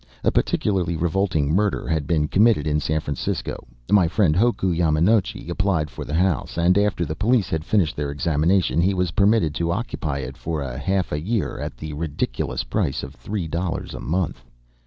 A particularly revolting murder having been committed in San Francisco, my friend Hoku Yamanochi applied for the house, and, after the police had finished their examination, he was permitted to occupy it for a half year at the ridiculous price of three dollars a month.